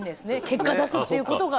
結果出すっていうことが。